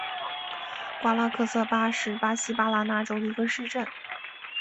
瓜拉克萨巴是巴西巴拉那州的一个市镇。